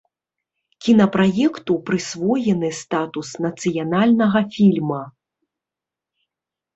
Кінапраекту прысвоены статус нацыянальнага фільма.